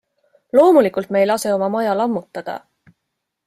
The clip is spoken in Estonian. Loomulikult me ei lase oma maja lammutada.